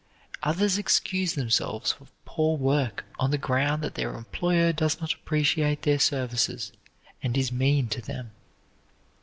Others excuse themselves for poor work on the ground that their employer does not appreciate their services and is mean to them.